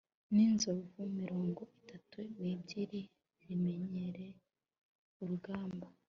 n'inzovu mirongo itatu n'ebyiri zimenyereye urugamba